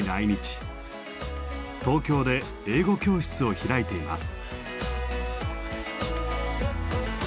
東京で英語教室を開いています。